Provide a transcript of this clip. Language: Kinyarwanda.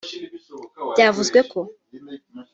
Byavuzwe ko